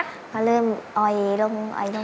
อ๋อีล่งกล่มลหม